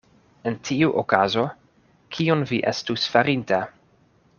En tiu okazo, kion vi estus farinta?